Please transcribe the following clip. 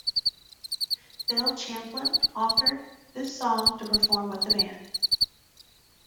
Bill Champlin offered this song to perform with the band.